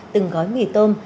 từng gói mì tôm